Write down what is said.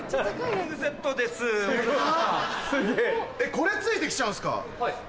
これ付いてきちゃうんすか？